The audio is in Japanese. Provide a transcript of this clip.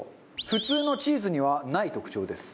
普通のチーズにはない特徴です。